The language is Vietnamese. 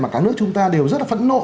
mà cả nước chúng ta đều rất là phẫn nộ